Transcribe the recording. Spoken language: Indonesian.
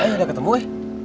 udah ketemu eh